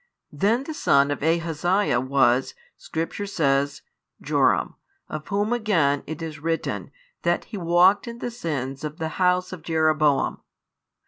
Then the son of Ahaziah was, Scripture says, Joram, of whom again it is written that he walked in the sins of the house of Jeroboam.